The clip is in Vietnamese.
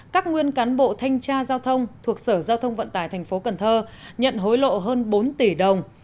các nguyên cán bộ thanh tra giao thông thuộc sở giao thông vận tải tp cn nhận hối lộ hơn bốn tỷ đồng